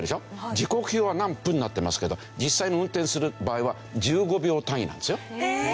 時刻表は「何分」になってますけど実際に運転する場合は１５秒単位なんですよ。